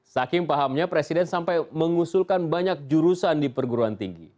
saking pahamnya presiden sampai mengusulkan banyak jurusan di perguruan tinggi